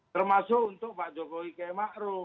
termasuk untuk pak jokowi k mahru